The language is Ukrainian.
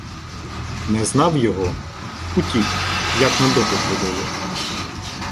Не знав його? Утік, як на допит водили.